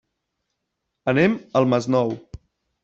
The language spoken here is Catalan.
Anem al Masnou.